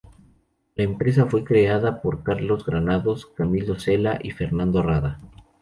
La empresa fue creada por Carlos Granados, Camilo Cela y Fernando Rada.